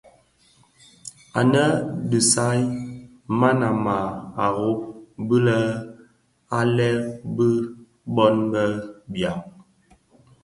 Ànë a disag man a màa rôb bi lë à lëê bi bôn bë biàg.